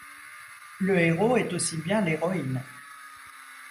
Le héros est aussi bien l'héroïne.